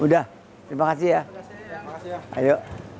udah terima kasih ya